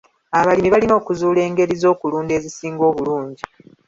Abalimi balina okuzuula engeri z'okulunda ezisinga obulungi.